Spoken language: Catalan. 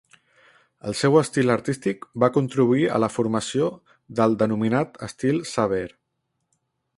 El seu estil artístic va contribuir a la formació del denominat estil "sever".